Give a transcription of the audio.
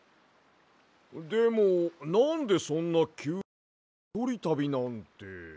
でもなんでそんなきゅうにひとりたびなんて。